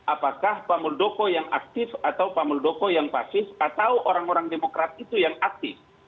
apakah pamuldoko yang aktif atau pamuldoko yang pasif atau orang orang demokrat itu yang aktif